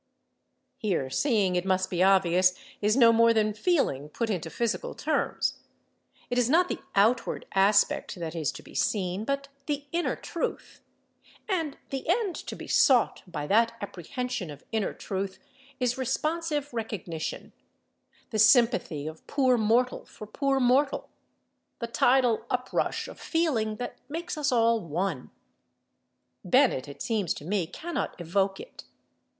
Here seeing, it must be obvious, is no more than feeling put into physical terms; it is not the outward aspect that is to be seen, but the inner truth—and the end to be sought by that apprehension of inner truth is responsive recognition, the sympathy of poor mortal for poor mortal, the tidal uprush of feeling that makes us all one. Bennett, it seems to me, cannot evoke it.